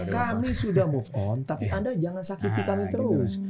kami sudah move on tapi anda jangan sakiti kami terus